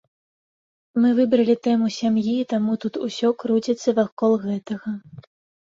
Мы выбралі тэму сям'і, таму тут усё круціцца вакол гэтага.